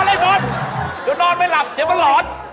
เดี๋ยวนอดไม่หลับเดี๋ยวมันหลอน